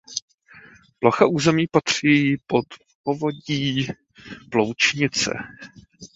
Plocha území patří do povodí Ploučnice.